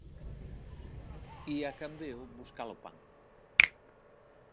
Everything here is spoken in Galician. Ía a Cambeo buscar o pan.